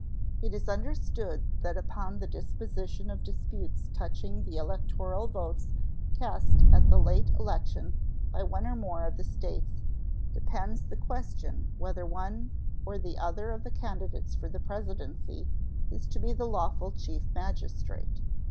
It is understood that upon the disposition of disputes touching the electoral votes cast at the late election by one or more of the States depends the question whether one or the other of the candidates for the Presidency is to be the lawful Chief Magistrate.